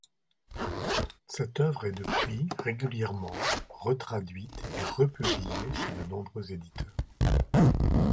Cette œuvre est depuis régulièrement, retraduite et republiée chez de nombreux éditeurs.